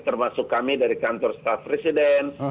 termasuk kami dari kantor staff presiden